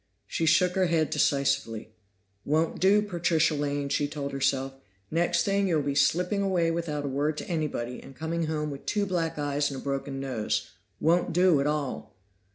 She shook her head decisively. "Won't do, Patricia Lane!" she told herself. "Next thing, you'll be slipping away without a word to anybody, and coming home with two black eyes and a broken nose. Won't do at all!"